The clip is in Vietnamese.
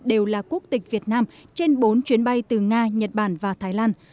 đều là quốc tịch việt nam trên bốn chuyến bay từ nga nhật bản và thái lan